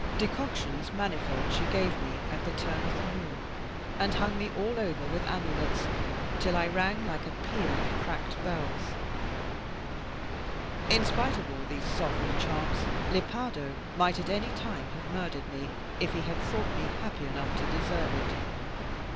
Decoctions manifold she gave me at the turn of the moon, and hung me all over with amulets, till I rang like a peal of cracked bells. In spite of all these sovereign charms, Lepardo might at any time have murdered me, if he had thought me happy enough to deserve it.